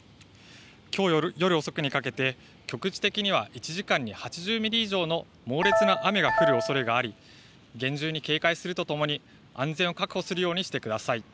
きょう夜遅くにかけて局地的には１時間に８０ミリ以上の猛烈な雨が降るおそれがあり厳重に警戒するとともに安全を確保するようにしてください。